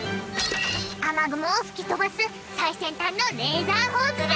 雨雲を吹き飛ばす最先端のレーザー砲ズラ。